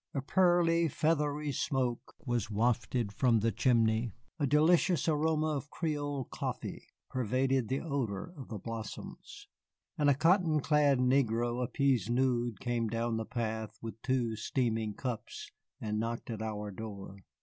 A pearly, feathery smoke was wafted from the chimney, a delicious aroma of Creole coffee pervaded the odor of the blossoms, and a cotton clad negro à pieds nus came down the path with two steaming cups and knocked at our door.